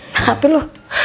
nah apa lu